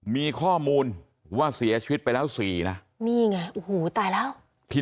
มีข้อมูลว่าเสียชีวิตไปแล้วสี่นะนี่ไงโอ้โหตายแล้วพี่